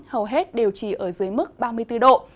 hầu hết đều chỉ ở dưới mức ba mươi bốn độ